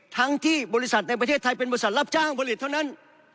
ทั้งที่บริษัทในประเทศไทยเป็นบริษัทรับจ้างผลิตเท่านั้น